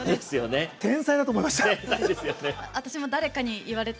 天才だと思いました。